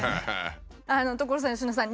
所さん佳乃さん。